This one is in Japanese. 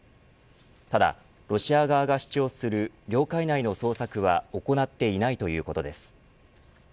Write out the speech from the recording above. ただ、ロシア側が主張する領海内の捜索は行っていないということです。